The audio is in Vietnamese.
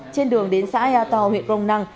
trên đường đến xã ea tàu huyện công năng